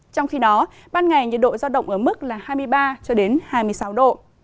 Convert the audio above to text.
trong khi đó ban ngày nhiệt độ do động ở mức hai mươi ba hai mươi sáu độ